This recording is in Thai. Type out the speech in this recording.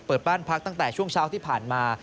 เปิดบ้านพักตั้งแต่ช่วงเช้าที่ผ่านมา